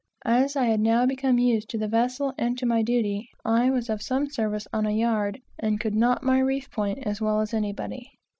As I had now become used to the vessel and to my duty, I was of some service on a yard, and could knot my reef point as well as anybody.